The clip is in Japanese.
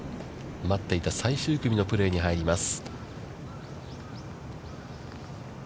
待っていた最終組のプレーに入ります。